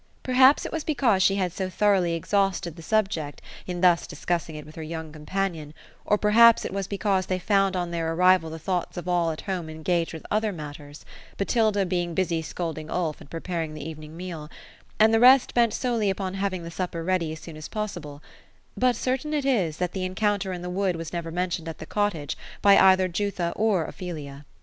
Perhaps it was because she had so thoroughly exhausted the subject, in thus discussing it with her young companion ; or perhaps it was because they found on their arrival the thoughts of all at home engaged with other matters, — Botilda being busy scolding U^f, and preparing the evening meal, — and the rest bent solely upon having the supper ready as soon as possible ; but certain it is, that the encounter in the wood was never mentioned at the cottage by either Jutha or Ophelia.